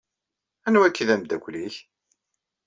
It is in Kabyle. Anwa akka i d ameddakel-ik?